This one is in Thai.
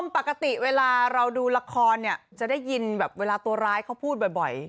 ปกติเวลาเราดูละครเนี่ยจะได้ยินแบบเวลาตัวร้ายเขาพูดบ่อย